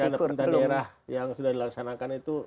pengkandatan daerah yang sudah dilaksanakan itu